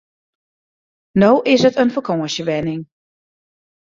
No is it in fakânsjewenning.